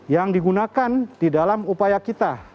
yang digunakan di dalam upaya kita